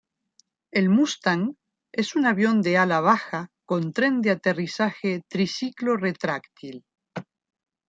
El Mustang es un avión de ala baja con tren de aterrizaje triciclo retráctil.